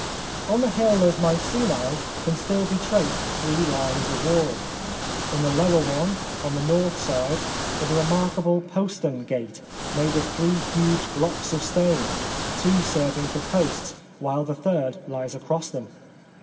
On the hill of Mycenae can still be traced three lines of wall. In the lower one, on the north side, is a remarkable postern gate, made of three huge blocks of stone — two serving for posts, while the third lies across them.